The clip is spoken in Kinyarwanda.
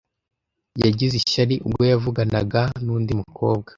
Yagize ishyari ubwo yavuganaga nundi mukobwa.